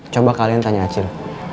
coba kalian tanya acil